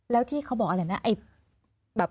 แล้วที่เขาบอกอะไรนะ